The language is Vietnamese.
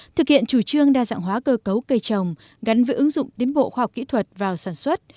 thực hiện chủ trương đa dạng hóa cơ cấu cây trồng gắn với ứng dụng tiến bộ khoa học kỹ thuật vào sản xuất